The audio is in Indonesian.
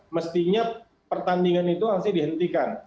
mestinya pertandingan itu harusnya dihentikan